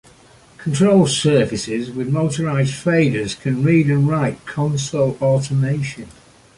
Control surfaces with motorized faders can read and write console automation.